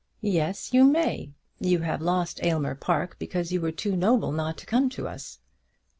"Yes, you may. You have lost Aylmer Park because you were too noble not to come to us."